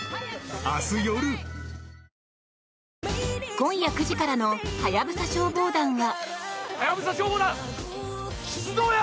今夜９時からの「ハヤブサ消防団」は。